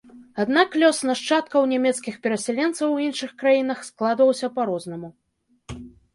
Аднак лёс нашчадкаў нямецкіх перасяленцаў у іншых краінах складваўся па-рознаму.